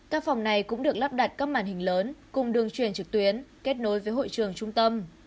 các phòng này cũng được lắp đặt các màn hình lớn cùng đường truyền trực tuyến kết nối với hội trường trung tâm